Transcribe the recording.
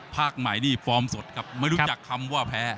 ภาคหมายนี้ฟอร์มสดครับรู้จักคำว่าแพ้